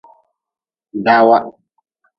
Dawa.